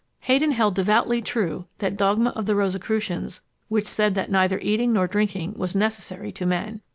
Heydon held devoutly true that dogma of the Rosicrucians which said that neither eating nor drinking was necessary to men.